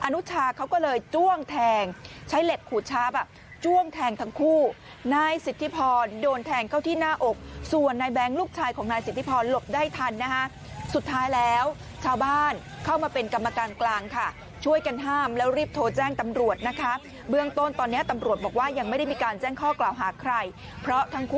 นุชาเขาก็เลยจ้วงแทงใช้เหล็กขูดชาร์ฟอ่ะจ้วงแทงทั้งคู่นายสิทธิพรโดนแทงเข้าที่หน้าอกส่วนนายแบงค์ลูกชายของนายสิทธิพรหลบได้ทันนะคะสุดท้ายแล้วชาวบ้านเข้ามาเป็นกรรมการกลางค่ะช่วยกันห้ามแล้วรีบโทรแจ้งตำรวจนะคะเบื้องต้นตอนนี้ตำรวจบอกว่ายังไม่ได้มีการแจ้งข้อกล่าวหาใครเพราะทั้งคู่